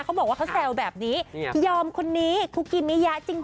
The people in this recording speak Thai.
เขาบอกว่าเขาแซวแบบนี้ยอมคนนี้คุกิมิยะจริง